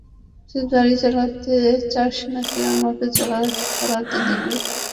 তুই গাড়ি চালাতে চাস নাকি আমাকে চালাতে দিবি?